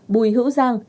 hai bùi hữu giang